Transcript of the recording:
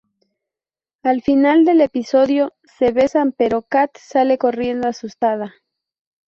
Al final del episodio, se besan, pero Cat sale corriendo asustada.